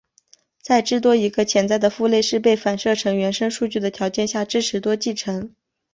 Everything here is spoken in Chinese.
在至多一个潜在的父类是被反射成原生数据的条件下支持多继承。